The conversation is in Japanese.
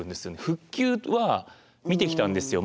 復旧は見てきたんですよ